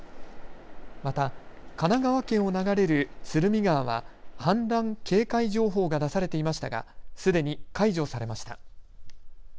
また神奈川県を流れる鶴見川は氾濫警戒情報が出されていましたが、すでに解除されました。